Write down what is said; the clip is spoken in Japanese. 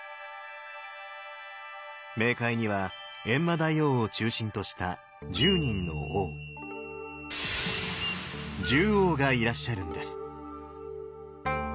冥界には閻魔大王を中心とした１０人の王十王がいらっしゃるんです。